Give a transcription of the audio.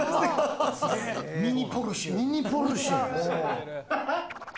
ミニポルシェ。